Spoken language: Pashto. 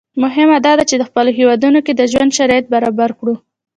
مهمه دا ده چې په خپلو هېوادونو کې د ژوند شرایط برابر کړو.